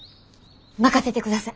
任せてください！